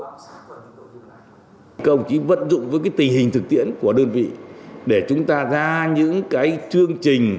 các đồng chí vận dụng với tình hình thực tiễn của đơn vị để chúng ta ra những chương trình